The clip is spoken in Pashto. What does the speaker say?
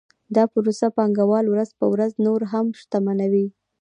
دا پروسه پانګوال ورځ په ورځ نور هم شتمنوي